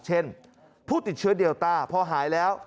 ผู้ติดเชื้อเดลต้าพอหายแล้ว